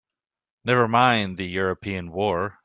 Never mind the European war!